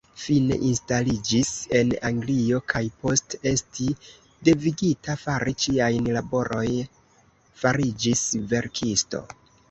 Fine instaliĝis en Anglio, kaj post esti devigita fari ĉiajn laboroj fariĝis verkisto.